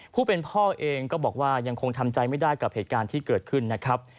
ผู้เป็นพ่อเองก็บอกว่ายังคงทำใจไม่ได้กับเหตุการณ์ที่เกิดขึ้นนะครับ